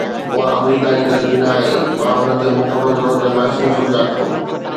اها آمريڪا جي غلطي ناهي، مان ان کي مڪمل طور تي معصوم سمجهان ٿو